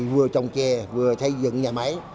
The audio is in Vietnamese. vừa trồng trà vừa xây dựng nhà máy